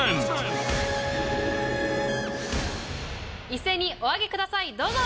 一斉にお上げくださいどうぞ！